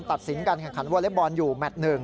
ตัดสินการแข่งขันวอเล็กบอลอยู่แมท๑